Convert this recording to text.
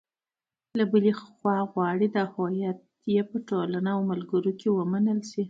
له بلې خوا غواړي دا هویت یې په ټولنه او ملګرو ومنل شي.